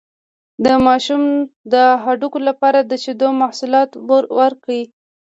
د ماشوم د هډوکو لپاره د شیدو محصولات ورکړئ